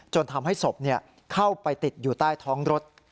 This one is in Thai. ทำให้ศพเข้าไปติดอยู่ใต้ท้องรถ